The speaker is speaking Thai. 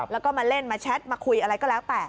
แล้วก็มาเล่นมาแชทมาคุยอะไรก็แล้วแต่